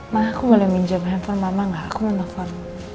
mah aku boleh minjem handphone mama gak aku mau nelfon